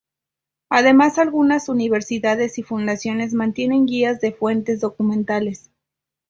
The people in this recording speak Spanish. Además algunas universidades y fundaciones mantienen guías de fuentes documentales.